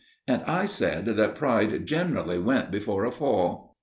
And I said that pride generally went before a fall.